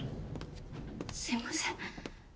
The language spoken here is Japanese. すいません。